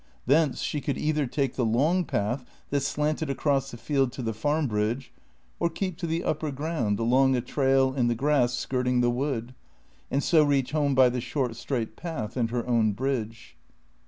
Thence she could either take the long path that slanted across the field to the Farm bridge or keep to the upper ground along a trail in the grass skirting the wood, and so reach home by the short straight path and her own bridge.